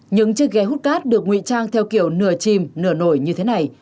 những chiếc ghe hút cát được nguy trang theo kiểu nửa chìm nửa nổi như thế này